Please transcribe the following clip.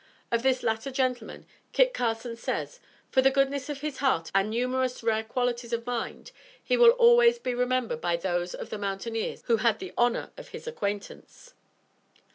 Of this latter gentleman, Kit Carson says: "For the goodness of his heart and numerous rare qualities of mind, he will always be remembered by those of the mountaineers who had the honor of his acquaintance."